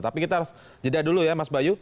tapi kita harus jeda dulu ya mas bayu